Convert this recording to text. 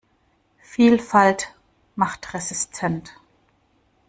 Vielfalt macht resistent.